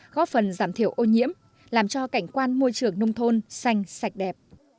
góp phần giảm thiểu ô nhiễm làm cho cảnh quan môi trường nông thôn xanh sạch đẹp